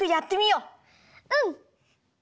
うん！